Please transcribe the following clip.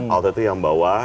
alto itu yang bawah